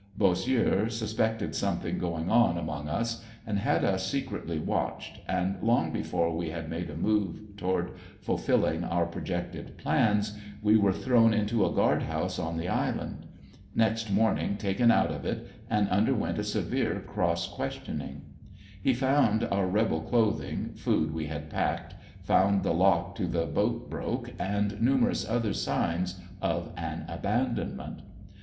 Bossieux suspected something going on among us and had us secretly watched, and long before we had made a move toward fulfilling our projected plans we were thrown into a guard house on the island; next morn ing taken out of it, and underwent a severe cross questioning He found our rebel clothing, food we had packed, found the lock to the boat broke, and numerous other signs of an abandonment.